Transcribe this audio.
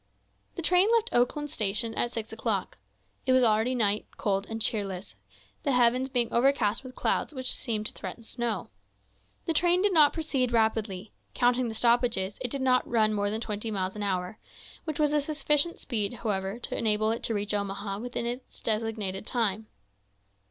The train left Oakland station at six o'clock. It was already night, cold and cheerless, the heavens being overcast with clouds which seemed to threaten snow. The train did not proceed rapidly; counting the stoppages, it did not run more than twenty miles an hour, which was a sufficient speed, however, to enable it to reach Omaha within its designated time.